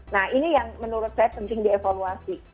nah ini yang menurut saya penting dievaluasi